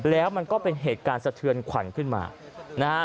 แล้วมันก็เป็นเหตุการณ์สะเทือนขวัญขึ้นมานะฮะ